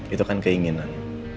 itu kan keinginan